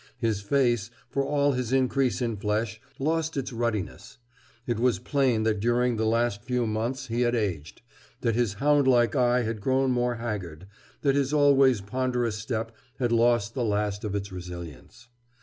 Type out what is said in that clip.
His face, for all his increase in flesh, lost its ruddiness. It was plain that during the last few months he had aged, that his hound like eye had grown more haggard, that his always ponderous step had lost the last of its resilience.